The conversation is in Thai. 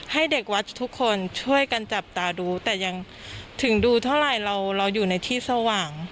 ให้เด็กวัดทุกคนช่วยกันจับตาดูแต่ยังถึงดูเท่าไหร่เราอยู่ในที่สว่าง